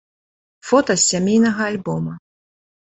Фота з сямейнага альбома.